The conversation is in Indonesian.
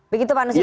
begitu pak nusyara